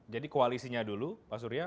jadi koalisinya dulu pak surya